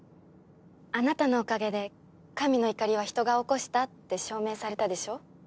あなたのおかげで神の怒りは人が起こしたって証明されたでしょ？